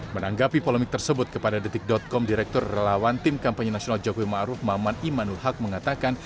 menanggapi polemik tersebut kepada detik com direktur relawan tim kampanye nasional jokowi maruf maman imanul haq mengatakan